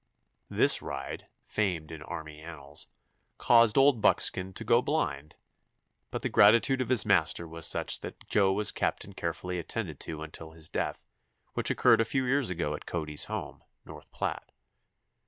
This ride, famed in army annals, caused Old Buckskin to go blind, but the gratitude of his master was such that Joe was kept and carefully attended to until his death, which occurred a few years ago at Cody's home, North Platte.